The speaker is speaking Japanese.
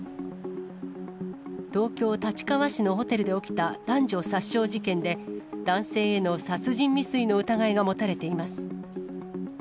東京・立川市のホテルで起きた男女殺傷事件で、男性への殺人未遂の疑いが持たれています。